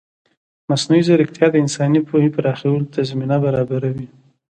مصنوعي ځیرکتیا د انساني پوهې پراخولو ته زمینه برابروي.